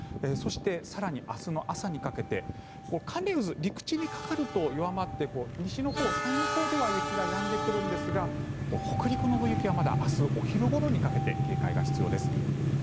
そして、更に明日の朝にかけて寒冷渦、陸地にかかると弱まって西のほう、山陰のほうでは雪がやんでくるんですが北陸の大雪はまだ明日お昼ごろにかけて警戒が必要です。